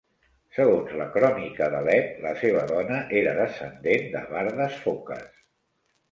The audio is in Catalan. Segons la Crònica d'Alep, la seva dona era descendent de Bardas Phokas.